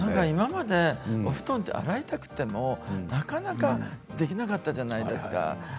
今まで、お布団って洗いたくても、なかなかできなかったじゃないですか。